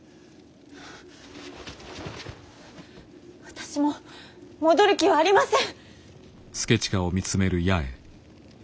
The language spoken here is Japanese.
私も戻る気はありません。